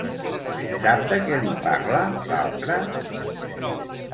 Sap de què li parla, l'altre?